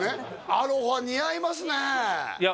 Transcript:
アロハ似合いますねいや